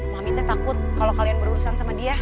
mamita takut kalau kalian berurusan sama dia